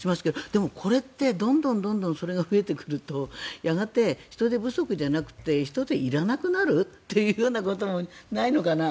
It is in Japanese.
でも、これってどんどんそれが増えてくるとやがて人手不足じゃなくて人手、いらなくなるということもないのかな。